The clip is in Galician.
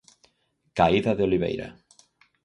Caída de Oliveira.